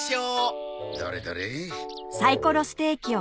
どれどれ。